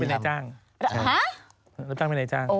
รับจ้างเป็นนายจ้าง